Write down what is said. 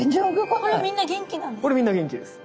これみんな元気です。